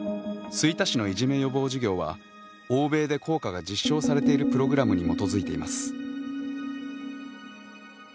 吹田市のいじめ予防授業は欧米で効果が実証されているプログラムに基づいています。